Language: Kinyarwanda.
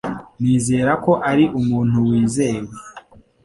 Nizera ko ari umuntu wizewe.